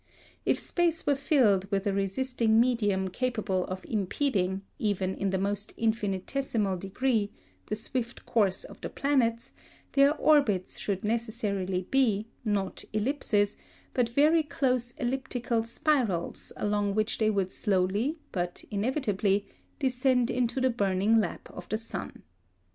If space were filled with a resisting medium capable of impeding, even in the most infinitesimal degree, the swift course of the planets, their orbits should necessarily be, not ellipses, but very close elliptical spirals along which they would slowly, but inevitably, descend into the burning lap of the sun.